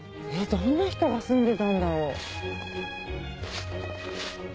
どんな人が住んでたんだろう？